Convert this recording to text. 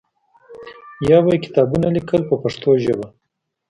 یا به یې کتابونه لیکل په پښتو ژبه.